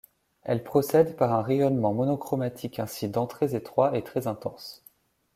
Elles procèdent par un rayonnement monochromatique incident très étroit et très intense.